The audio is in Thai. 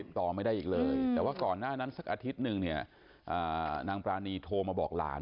ต่อไม่ได้อีกเลยแต่ว่าก่อนหน้านั้นสักอาทิตย์หนึ่งเนี่ยนางปรานีโทรมาบอกหลาน